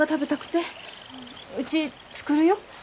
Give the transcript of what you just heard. うち作るよ。